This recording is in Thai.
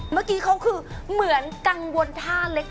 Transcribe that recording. เมื่อกี้เขาคือเหมือนกังวลท่าเล็ก